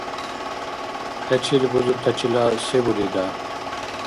ХӀечил бузутачила се бурида?